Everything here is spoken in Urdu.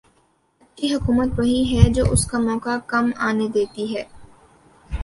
اچھی حکومت وہی ہے جو اس کا موقع کم آنے دیتی ہے۔